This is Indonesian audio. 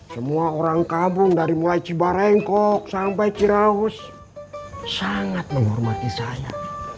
semua orang kabung dari mulai cibarengkok sampai ciraus sangat menghormati saya